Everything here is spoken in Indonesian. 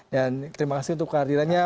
dan terima kasih untuk kehadirannya